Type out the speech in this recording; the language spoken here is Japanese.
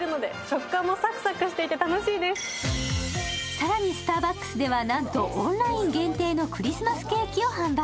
さらにスターバックスではなんと、オンライン限定のクリスマスケーキを販売。